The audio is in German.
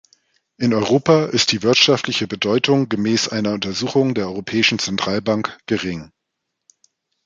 In Europa ist die wirtschaftliche Bedeutung gemäß einer Untersuchung der Europäischen Zentralbank gering.